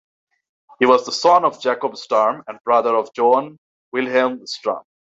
He was the son of Jacob Sturm and brother of Johann Wilhelm Sturm.